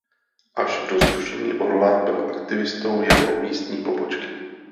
Až do zrušení Orla byl aktivistou jeho místní pobočky.